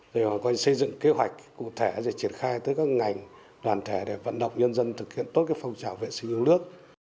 để xây dựng kế hoạch cụ thể để triển khai tới các ngành đoàn thể để vận động nhân dân thực hiện tốt phong trào vệ sinh yêu nước